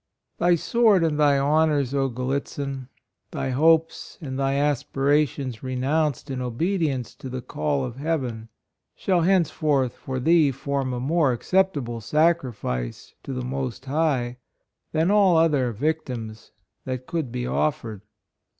Thy sword and thy hon ors, Gallitzin ! thy hopes and thy aspirations renounced in obedi ence to the call of heaven, shall henceforth for thee form a more acceptable sacrifice to the most High, than all other victims that could be offered.